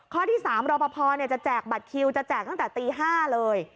ข้อที่๓รอปภจะแจกบัตรคิวจะแจกตั้งแต่ตี๕เลย